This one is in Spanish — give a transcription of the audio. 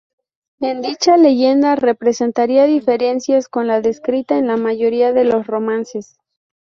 En dicha leyenda presentaría diferencias con la descrita en la mayoría de los romances.